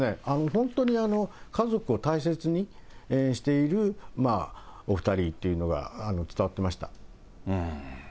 本当に家族を大切にしているお２人っていうのが伝わってました。